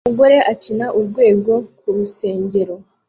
Umugore akina Urwego ku rusengero